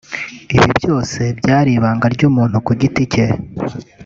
Ibyo byose byari ibanga ry’umuntu ku giti cye